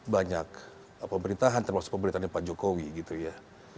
banyak pemerintahan termasuk pemerintahnya pak jokowi gitu ya